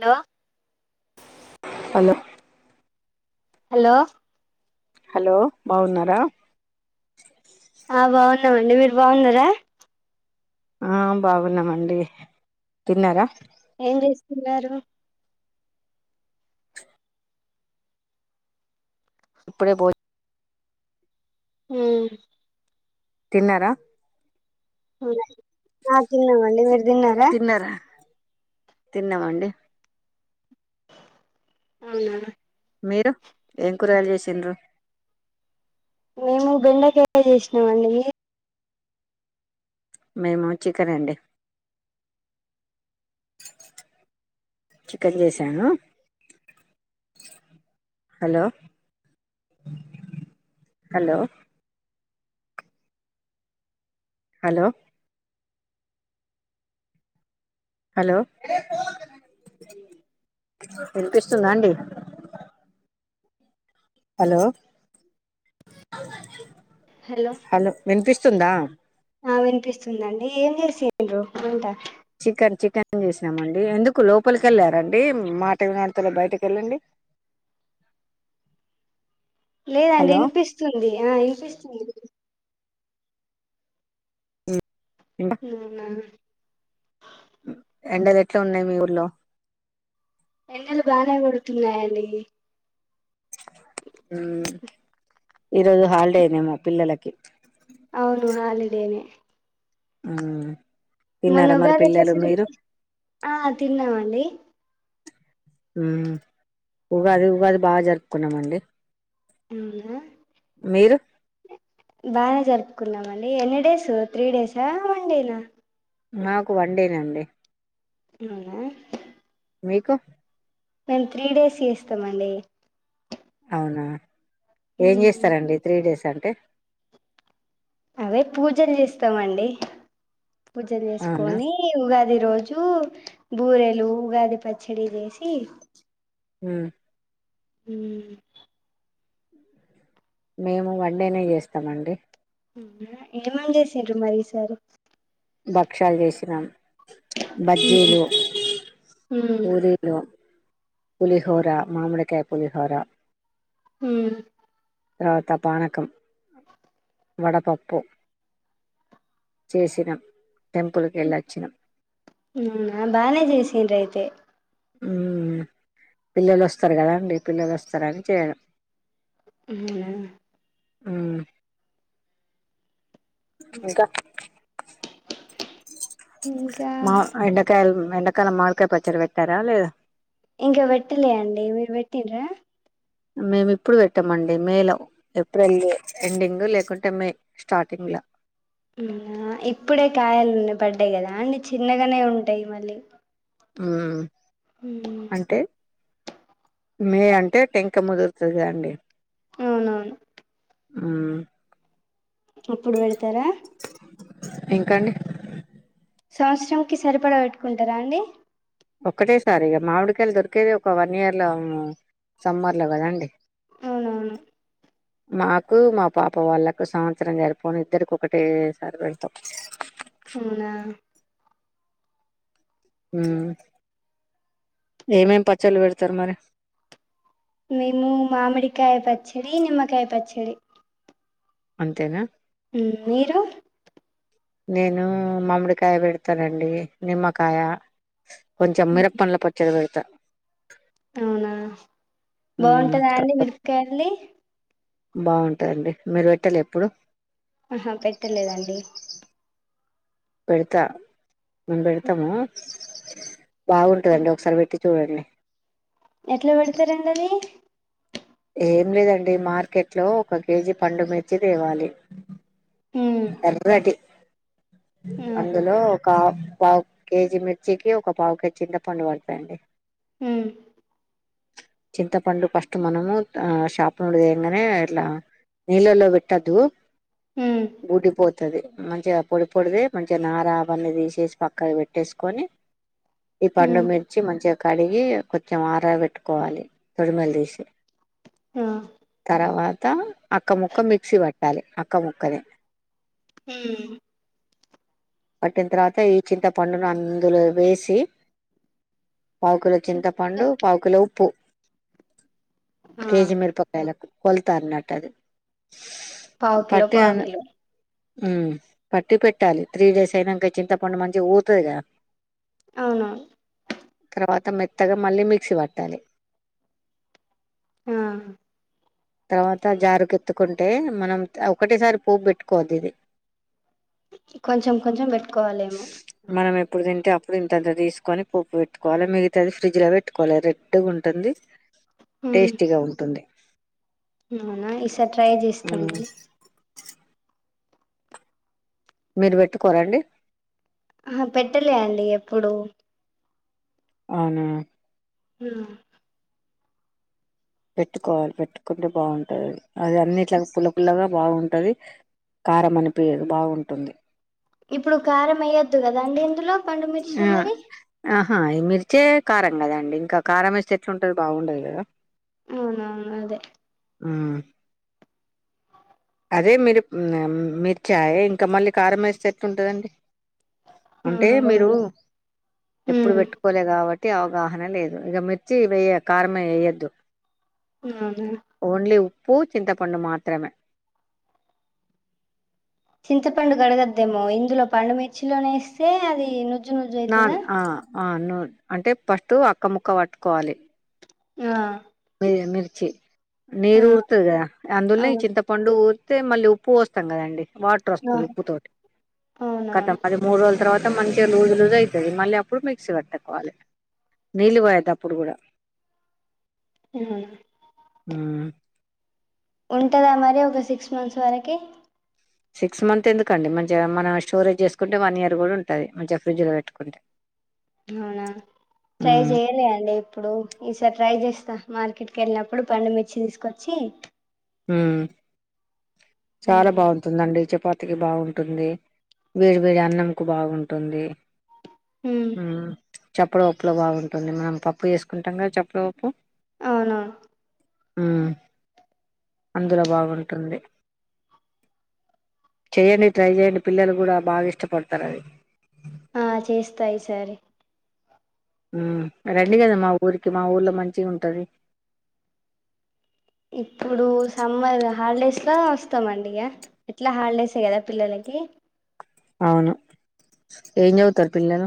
Hello hello hello hello బాగున్నారా ఆ బాగున్నామండి మీరు బాగున్నారా ఆ బాగున్నమండి తిన్నారా ఏం చేస్తున్నారు ఇప్పుడే పోయి ఊ తిన్నారా ఆ తిన్నామండి మీరు తిన్నారా తిన్నామండి అవునా మీరు ఏం కూరగాయలు చేసిండ్రు మేము బెండకాయ చేసినామండి మీర్ మేము చికెనండి చికెన్ జేసాను హలో హలో హలో హలో వినిపిస్తుందా అండి హలో హలో విన్పిస్ స్తుందా ఆ వినిపిస్తుందండి ఏం చేసిన్రు వంట చికెన్ చికెన్ చేసినామండి ఎందుకు లోపలికి వెళ్లారండి మాట వినాబడుతలే బయటకి వెళ్ళండి [inaudible] లేదండి హలో ఇనిపిస్తుంది ఆ ఇనిపిస్తుంది ఉమ్ అవునా ఎండలు ఎట్లా ఉన్నాయి మీ ఊర్లో ఎండలు బానే గొడుతున్నాయండి ఉమ్ ఈరోజు హాలిడేనేమో పిల్లలకి అవును హాలిడేనే ఉమ్ మొన్న ఉగాది ఎట్లా జేసిరు ఆ తిన్నామండి ఉగాది ఉగాది బాగా జరుపుకున్నామండి అవునా మీరు బాగా జర్ కున్నామండి ఎన్ని డేస్ త్రీ డేసా వన్డేనా నాకు వన్ డేనండి అవునా మీకు మేము త్రీ డేస్ చేస్తమండి అవునా ఏం ఉమ్ జేస్తరండి త్రీ డేస్ అంటే అవే పూజలు చేస్తామండి పూజలు అవునా జేసుకొని ఉగాది రోజు జు బూరెలు ఉగాది పచ్చడి చేసి హ్మ్ ఉమ్ మేము వన్డేనే జేస్తాం అండి అవునా ఏమని చేసిండ్రు మరి ఈసారి భక్ష్యాలు జేసినాం ఉహు బజ్జీలు ఉమ్ పూరిలు పులిహోర మామిడికాయ పులిహోరా ఉమ్ తర్వాత పానకం వడపప్పు చేసినం టెంపుల్కి యెళ్ళొచ్చినా అవునా బానే జేసిండ్రు అయితే ఉమ్ పిల్లలు వస్తారు కదాండి పిల్లలు వస్తారని చేయడం ఉమ్ హ్మ్ ఇంకా ఇంకా మా ఎండకాయలు ఎండకాలం మాడికాయ పచ్చడి పెట్టారా లేదా ఇంకా పెట్టలే అండి మీరు పెట్టిన్రా మేము ఇప్పుడు పెట్టామండి మే లో ఏప్రిల్ ఎండింగ్ లేకుంటే మే స్టార్టింగ్ అట్లా ఇప్పుడే కాయలున్నా పడ్డాయి కదా అన్నీ చిన్నగానే ఉంటాయి మళ్ళీ మ్మ్ ఉమ్ మే అంటే టెంక ముదురుతదిగా అండి అవునా మ్మ్ అప్పుడు పెడతారా ఎంకా అండి సంవత్సరం కి సరిపడా పెట్టుకుంటారా అండి ఒక్కటే సారి ఇగ మామిడికాయలు దొరకయిక ఒక వన్ ఇయర్ లో సమ్మర్ లో కదండి అవునవును మాకు మా పాప వాళ్ళకు సంవత్సరం జరిపోను ఇద్దరికి ఒకటే సారి పెడతాం అవునా మ్మ్ ఎమ్ ఏమేం పచ్చలు పెడతారు మరి మేము మామిడికాయ పచ్చడి నిమ్మకాయ పచ్చడి అంతేనా హ్మ్ మీరు నేను మామిడికాయ పెడతానండి నిమ్మకాయ కొంచెం మిరప్పన్ల పచ్చడి పెడతా అవునా ఉమ్ బాగుంటందా అండి మిరకాయలది బాగుంటుందిండి మీరు పెట్టాలే ఎప్పుడు ఆహా పెట్టలేదండి పెడతా మేము పెడతాము బాగుంటుదండి ఒకసారి పెట్టి చూడండి ఎట్లా పెడతారండి అది ఏం లేదండి మార్కెట్ లో ఒక కేజీ పండు మిర్చి తేవాలి ఉమ్ ఎర్రటి ఆహా అందులో ఒక పావు కేజీ మిర్చికి ఒక పావు కేజీ చింత పండు పడతాండి మ్మ్ చింతపండు ఫస్ట్ మనము ఆ షాప్ నుండి తెంగానే ఇట్లా నీళ్లల్లో పెట్టొదు ఉమ్ గుటిపో వతుంది మంచిగా పొడి పొడిది మంచిగా నారా అవన్నీ తీసేసి పక్కన పెట్టేసుకొని ఈ పండు ఉమ్ మిర్చి మంచిగా కడిగి కొంచెం ఆరా పెట్టుకోవాలి తొడిమలు తీసి ఆ తర్వాత, అక్క ముక్క మిక్సి బట్టాలి. అక్క ముక్కనె, మ్మ్ పట్టిన్ తర్వాత, ఈ చింత పండును అందులొ వేసి, పావుకిలొ చింతపండు, పావుకిలొ ఉప్పు, ఆ కేజిమిర్పకాయలకు కొల్ తా అన్నమాట పావు కిలొ పావు కిలొ- హుమ్మ్ పట్టి పెట్టాలి. త్రీ డేస్ అయినాంక, చింతపండు మంచిగ ఊర్ తుది గద, ఔన్ ఔను. తర్వాత మెత్తగ, మళ్ళి మిక్సి భట్టాలి. ఆ తర్వాత జారుకెత్తుకుంటే, మనం త ఒకటెసారి పోప్ పెట్టుకోవద్దు ఇది. కొంచెం కొంచెం బెట్టుకోవాలేమొ. ఇప్పుడు తింటె అప్పుడు ఇంత ఇంత దీస్ కొని పోప్ పెట్టుకోవాలి మిగితాది ఫ్రిజ్ లో పెట్టుకోవాలి రెడ్డ్ గుంటుంది టేస్టీగ ఉంటుంది. అవున ఈసార్ ట్రై ఉమ్ జేస్తమండి. మీరు బెట్టుకోర అండి. ఆ ఆ పెట్టలె అండి ఎప్పుడు ఔనా హు మ్ పెట్టుకోవాలి పెట్టుకుంటె బాగుంటదిఅది అది అన్నిట్లగ పుల్ల పుల్లగ బాగుంటది కారం అనిపియదు బాగుంటుంది. ఇప్పుడు కారం ఎయ్యద్దు గద అండి ఇందులొ పండుమిర్చులు మరి హ ఇమిర్చె కారం గద అండి ఇంక కారం యేస్తె ఎట్ల ఉంటది బాగుండదు కద ఔనవును అదె, ఉమ్మ్ అదె మిరప్ మ్ మె మ్ మీర్ చాయ ఇంక మళ్ళి కారం వేస్తె ఎట్టటుంటదండి అంటే అవును మీరు బాగుంది ఎప్పుడు ఉమ్ పెట్టుకోలె గాబట్టి అంతె అవగాహన లేదు ఇగ మిర్చి వెయ్య కారంమే వెయ్యెద్దు బానే పూ చింతపండు మాత్రమె, చింతపండు గడగద్దేమొ, ఇందులొ పండుమిర్చిలోనే యేస్తే, అది నుజ్- నుజు నుజు అయితద, ఆవును అంటె ఫస్టు అక్క ముక్క బట్ కోవాలి. ఆ మి మిర్చి ఆ నీరు ఊర్ తుద్ గద అందులొనె ఈ అవును చింతపండు ఊర్ అంతె మళ్ళి ఉప్పు బోస్తం గదండి వాటర్ ఆ వస్తది ఉప్పుతోటి కద అవునవును మళ్ళ మూడు రోజుల తర్వాత అంత మంచిగ లూజు లూజు అయితది మళ్ళీ అప్పుడు మిక్సి పట్టుకోవాలి నీళ్ళు పోయద్దు అప్పుడు కూడ అవును హు మ్ ఉంటద మరి ఒక సిక్స్ మంత్స్ వరకి, సిక్స్ మంత్ యెందుకండి, మంచిగ మన స్టోరేజ్ జేస్ కుంటె వన్ ఇయర్ గూడ ఉంటది మంచిగ ఫ్రిడ్జ్ లొ పెట్టుకుంటె ఔన ట్రై జెయలె అండి ఎప్పుడు, ఈసార్ ట్రై జేస్త, మార్కెట్కి ఎల్ నప్పుడు పండుమిర్చి తీస్ కొచ్చి హుమ్మ్ చాల బాగుంటుందండి. చపాతి చపాతికి బాగుంటుంది వేడి వేడి అన్నం కు బాగుంటుంది ఉమ్ ఉమ్మ్ మ్ చప్పుడు ఉప్పులొ బాగుంటుంది మనం పప్పు జేస్ కుంటం గద చప్పుడు ఉప్పు ఔనవును హుమ్ అందులొ బాగుంటుంది. చేయండి ట్రై జేయండి. పిల్లలు గూడ బాగ ఇష్టపడతారు అది, ఆ చేస్తాయి సరే రండి కదా మా ఊరికి మా ఊర్లో మంచిగా ఉంటది ఇప్పుడు సమ్మర్ హాలిడేస్ ఎట్లో వస్తామండి ఇక ఎట్లా హాలిడేసే కదా పిల్లలకి అవును ఏం చదువుతారు పిల్లలు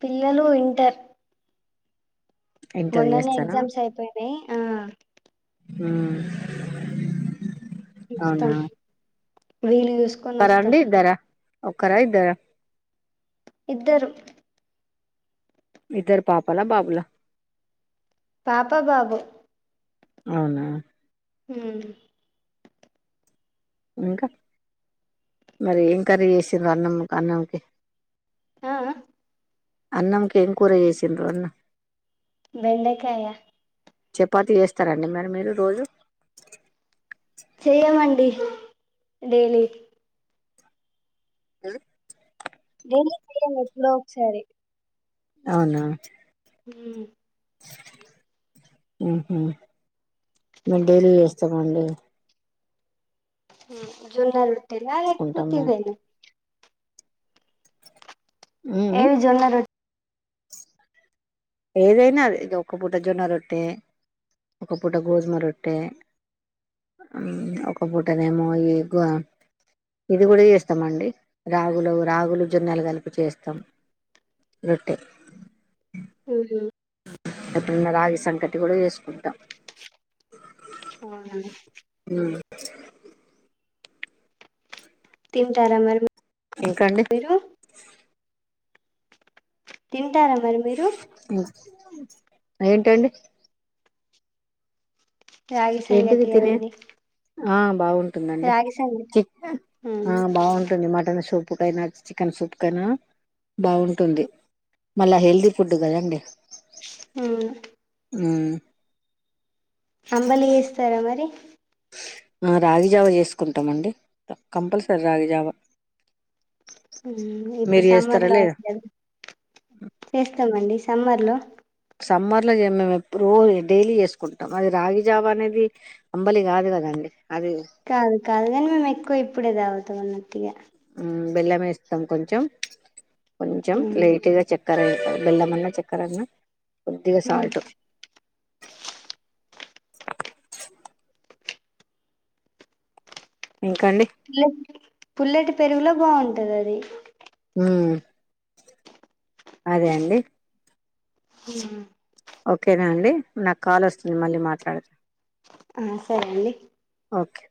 పిల్లలు ఇంటర్ ఇంటర్ మొన్నన్నే చేస్తారా ఎగ్జామ్స్ అయిపోయినాయి ఆ ఉమ్ చూస్తాం రీల్ చూస్ క్కర అండి ఇద్దారా ఒక్కార ఇద్దారా ఇద్దరు ఇద్దర పాపాలా బాబులా పాప బాబు అవునా ఉమ్ ఇంకా మరి ఏం కర్రి చేసిడ్రు అన్నం అన్నంకి ఆఅ అన్నంకేం కూర చేసిండ్రు అన్న బెండకాయ చపాతి చేస్తారండి మరి మీరు రోజు చెయమండి డెలీ ఉ డైలీ చెయ్యం ఎప్పుడో ఒక సారి అవునా హు ఉహు మేము డైలీ చేస్తామండి జున్న రొట్టెలా చేసుకుంటాం లేకపోతే మేము ఇవేనా ఉమ్, ఉమ్. ఏవి జొన్న రొట్టె ఏదైనా అదే ఒక్క పూట జొన్న రట్టే ఒక పూట గోధుమ రొట్టె ఒక పూటనే ఏమో ఎకు ఇది కూడా చేస్తామ అండి రాగులు రాగులు జొన్నలు కలిపి చేస్తాం రెట్టే ఉహు ఎప్పుడున్న రాగి సంకటి కూడా చేసుకుంటాం అవునా ఉమ్, తింటారా మరి మీ ఇంకాండి తింటారా మరి మీరు ఉమ్, ఏంటండి రాగి ఏంటిది సంగటీ తినే అవన్నీ ఆ బాగుంటుదండి రాగి సంగటి చిక్క అవునా ఆ అవును బావుంటుంది మటన్ సూప్ ఎపుడైనా చికెన్ సూప్ కైనా బాగుంటుంది మళ్ళా హెల్దీ ఫుడ్ కదండి ఊ ఊ అంబలి చెస్తారా మరి ఆ రాగిజావ చేసుకుంటామండి కంపల్సరీ రాగిజావ ఇప్పుడు సమ్మర్ లో అ చేస్తామండి సమ్మర్ లో సమ్మర్ లో మేము రోజ డైలీ చేసుకుంటాం అది రాగిజావ అనేది అంబలి కాదు కదండి అది కాదు కాదు కాని మేము ఎక్కువ ఇప్పుడే తాగుతాం అన్నట్టుగా బెల్లం వేస్తాం కొంచెం కొంచెం ఉమ్. లైట్గా చెక్క చక్కర బెల్లమన్న చక్కరన్న కొద్దిగా ఉమ్. సాల్టు ఇంకాండి పుల్లటి పుల్లటి పెరుగులో బాగుంటది అది ఊమ్ అదే అండి హమ్ ఓకేనా అండి నాకు కాల్ వస్తుంది మళ్ళీ మాట్లాడతా ఆ సరే అండి ఓకే